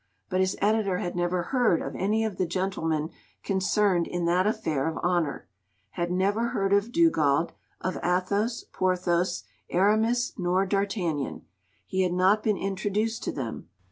But his Editor had never heard of any of the gentlemen concerned in that affair of honour; had never heard of Dugald, of Athos, Porthos, Aramis, nor D'Artagnan. He had not been introduced to them.